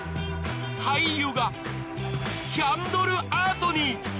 廃油がキャンドルアートに。